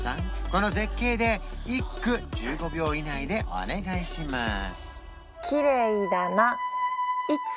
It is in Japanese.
この絶景で一句１５秒以内でお願いします